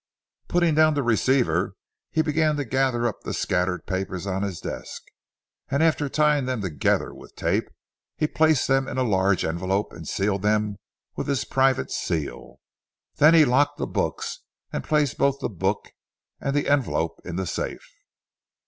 Putting down the receiver, he began to gather up the scattered papers on his desk, and after tying them together with tape, he placed them in a large envelope and sealed them with his private seal. Then he locked the books and placed both the book and the envelope in the safe.